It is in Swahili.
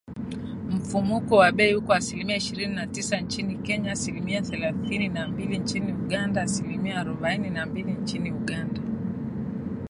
Mfumuko wa bei uko asilimia ishirini na tisa nchini Kenya, asilimia thelathini na mbili nchini Uganda , asilimia arobaini na mbili nchini Uganda